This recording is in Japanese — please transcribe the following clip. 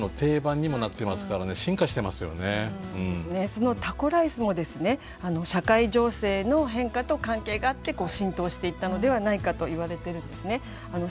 そのタコライスも社会情勢の変化と関係があって浸透していったのではないかといわれてるんですね。